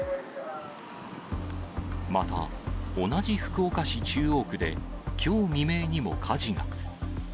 また、同じ福岡市中央区で、きょう未明にも火事が。